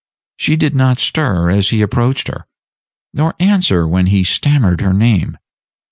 She did not stir as he approached her, nor answer when he stammered her name.